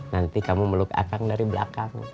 nanti kamu meluk akar dari belakang